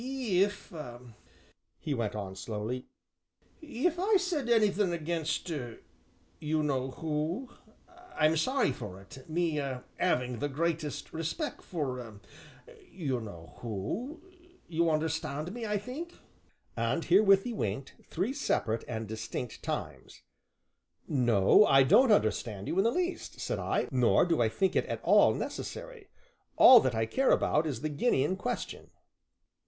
"If," he went on slowly, "if I said anything against you know who, I'm sorry for it me 'aving the greatest respec' for you know who you understand me, I think." And herewith he winked, three separate and distinct times. "No, I don't understand you in the least," said I, "nor do I think it at all necessary; all that I care about is the guinea in question."